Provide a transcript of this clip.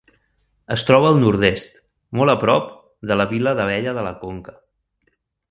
Es troba al nord-oest, molt a prop, de la vila d'Abella de la Conca.